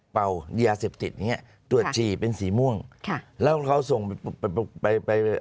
เป่ายาเสพติดอย่างเงี้ยตรวจฉี่เป็นสีม่วงค่ะแล้วเขาส่งไปไป